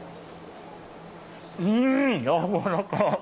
うーん、やわらかっ。